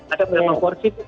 ada berapa porsi